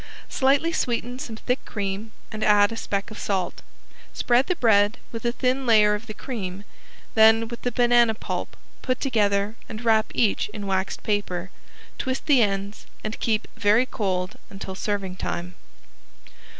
Slightly sweeten some thick cream and add a speck of salt. Spread the bread with a thin layer of the cream, then with the banana pulp put together and wrap each in waxed paper, twist the ends, and keep very cold until serving time.